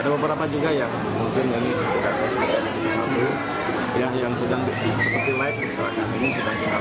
ada beberapa juga yang mungkin yang disediakan sesuai dengan kebijaksanaan yang sedang berjalan